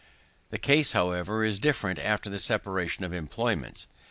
The case, however, is different after the separation of employments.